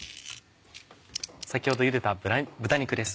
先ほどゆでた豚肉です。